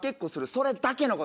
それだけの事。